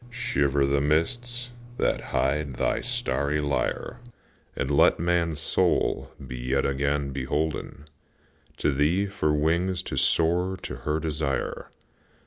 Shiver the mists that hide thy starry lyre, And let man's soul be yet again beholden To thee for wings to soar to her desire.